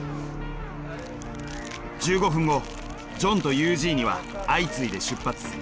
１５分後ジョンとユージーニは相次いで出発。